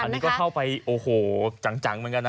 อันนี้ก็เข้าไปโอ้โหจังเหมือนกันนะ